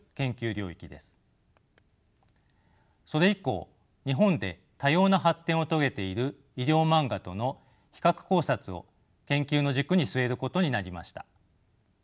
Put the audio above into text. それ以降日本で多様な発展を遂げている医療マンガとの比較考察を研究の軸に据えることになりました。